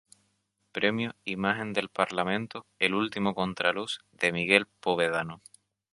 Premio Imagen del Parlamento: "El último contraluz" de Miguel Povedano.